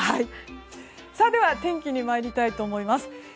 では天気に参りたいと思います。